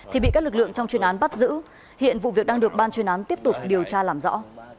thì bị các lực lượng trong chuyên án bắt giữ hiện vụ việc đang được ban chuyên án tiếp tục điều tra làm rõ